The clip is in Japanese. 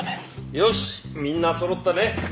よしみんなそろったね。